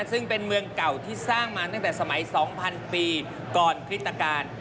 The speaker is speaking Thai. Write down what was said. ซึ่งเป็นเมืองเก่าที่สร้างมาตั้งแต่สมัย๒๐๐ปีก่อนคริตการ